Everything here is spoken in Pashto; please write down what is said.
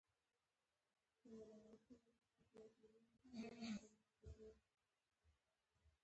مستو وویل: خدای مې مېل کړه دا دې لا بله.